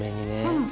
うん。